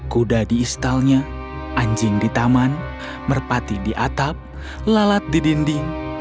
kuda di istalnya anjing di taman merpati di atap lalat di dinding